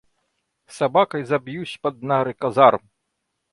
Собакой забьюсь под нары казарм!